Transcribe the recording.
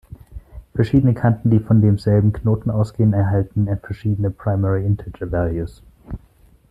Verschiedene Kanten, die von demselben Knoten ausgehen, erhalten verschiedene "primary integer values.